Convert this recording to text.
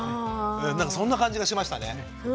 なんかそんな感じがしましたね。